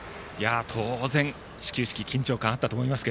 当然、始球式緊張感あったと思いますが。